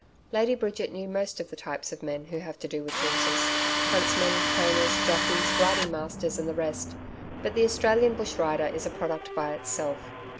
Lady Bridget knew most of the types of men who have to do with horses huntsmen, trainers, jockeys, riding masters and the rest, but the Australian bush rider is a product by itself.